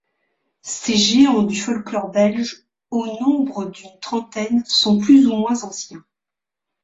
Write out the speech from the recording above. Ces géants du folklore belge, au nombre d'une trentaine, sont plus ou moins anciens.